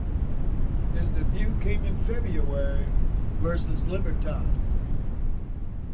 His debut came in February versus Libertad.